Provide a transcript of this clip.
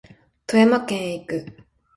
富山県へ行く